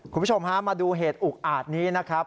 คุณผู้ชมฮะมาดูเหตุอุกอาจนี้นะครับ